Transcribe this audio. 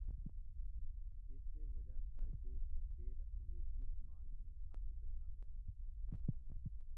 ਇਸੇ ਵਜ੍ਹਾ ਕਰਕੇ ਸਫੈਦ ਅਮਰੀਕੀ ਸਮਾਜ ਨੂੰ ਅੱਕ ਚੱਬਣਾ ਪਿਆ